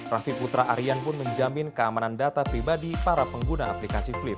raffi putra aryan pun menjamin keamanan data pribadi para pengguna aplikasi flip